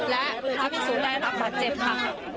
และพระพิสุได้รับบาดเจ็บค่ะ